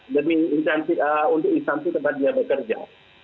demi untuk instansi tempat dia bekerja